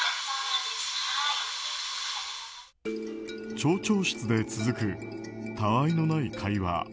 町長室で続くたわいのない会話。